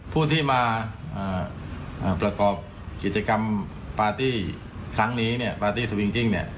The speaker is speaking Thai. ผู้ที่มาประกอบกิจกรรมปาร์ตี้ครั้งนี้เนี่ยปาร์ตี้สวิงกิ้งเนี่ย